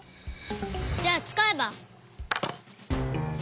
じゃあつかえば。